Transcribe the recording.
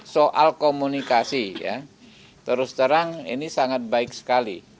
soal komunikasi ya terus terang ini sangat baik sekali